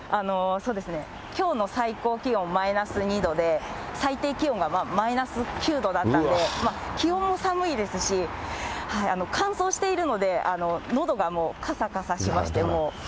そうですね、きょうの最高気温マイナス２度で、最低気温がマイナス９度だったんで、気温も寒いですし、乾燥しているので、のどがかさかさしまして。